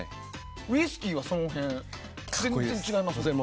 ウイスキーはその辺は全然違いますか。